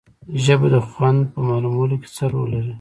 ژبه د خوند په معلومولو کې څه رول لري